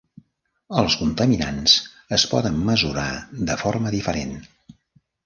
Els contaminants es poden mesurar de forma diferent.